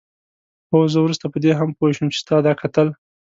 هو زه وروسته په دې هم پوه شوم چې ستا دا کتل.